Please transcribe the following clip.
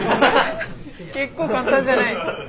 結構簡単じゃない。